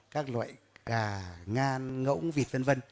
các loại gà ngan ngỗng vịt v v